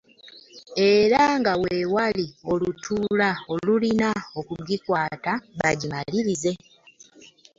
Era nga we wali n'olutuula olulina okugikwata bagimalirize.